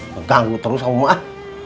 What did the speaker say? ngeganggu terus ah